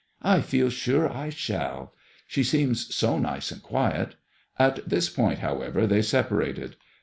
" I feel sure I shall." '' She seems so nice and quiet." At this point, however, they separated.